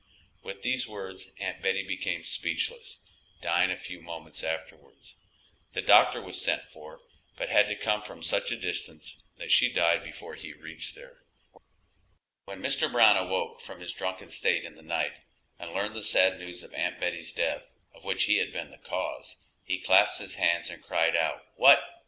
With these words Aunt Betty became speechless, dying a few moments afterwards. The doctor was sent for, but had to come from such a distance that she died before he reached there. When Mr. Brown awoke from his drunken state in the night, and learned the sad news of Aunt Betty's death, of which he had been the cause, he clasped his hands and cried out, "What!